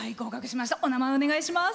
お名前お願いします。